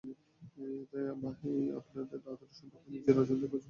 তাই আপনার আদরের সন্তানকে আজই আমাদের কোচিং সেন্টারে ভর্তি করিয়ে দিন।